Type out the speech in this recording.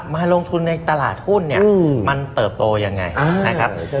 มารวมทุนในตลาดหุ้นมันเติบโตยังไงนะครับ